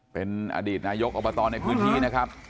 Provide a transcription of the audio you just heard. เป็นอดีตนายกอบตในพื้นที่นะครับ